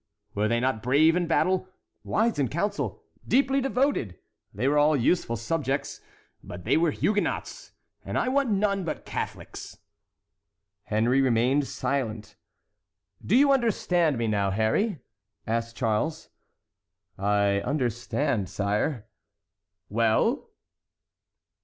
Were they not brave in battle, wise in council, deeply devoted? They were all useful subjects—but they were Huguenots, and I want none but Catholics." Henry remained silent. "Do you understand me now, Harry?" asked Charles. "I understand, sire." "Well?"